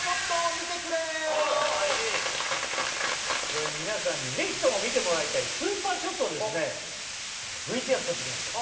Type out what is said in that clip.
これ皆さんにぜひとも見てもらいたいスーパーショットをですね